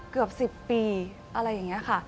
เกือบ๑๐ปีอะไรอย่างนี้ค่ะ